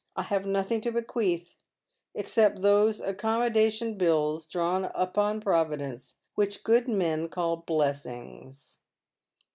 I hav« nothing to bequeath except those accommodation bills drawn upon Providence, which good men call blessings.